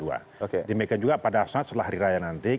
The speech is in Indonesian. dimekan juga pada saat setelah riraya nanti